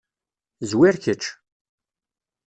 Zwir kečč.